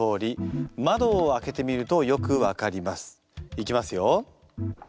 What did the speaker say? いきますよ。